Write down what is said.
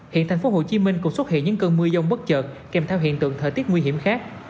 hiện tp hcm cũng xuất hiện những cơn mưa dông bất chợt kèm theo hiện tượng thời tiết nguy hiểm khác